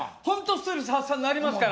ストレス発散になりますから。